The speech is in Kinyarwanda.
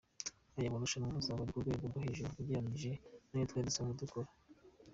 Aya marushanwa azaba ari ku rwego rwo hejuru ugereranyije n’ayo twari dusanzwe dukora.